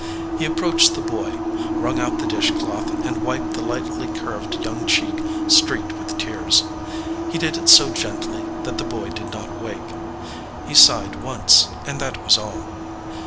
He approached the boy, wrung out the dish cloth, and wiped the lightly curved young cheek streaked with tears. He did it so gently that the boy did not wake. He sighed once, and that was all.